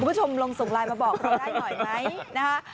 คุณผู้ชมลงส่งไลน์มาบอกเราได้หน่อยไหมนะคะ